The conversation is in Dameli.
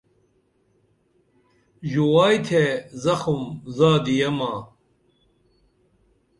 ژووائی تھے زخم زادیہ ماں